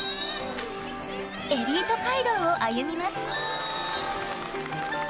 エリート街道を歩みます。